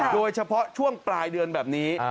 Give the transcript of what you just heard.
โดยเฉพาะช่วงปลายเดือนแบบนี้